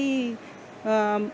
sản phẩm này